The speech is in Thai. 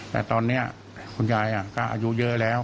แต่ตอนนี้คุณยายก็อายุเยอะแล้ว